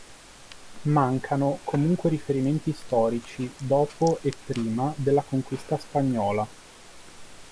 Mancano comunque riferimenti storici dopo e prima della conquista spagnola.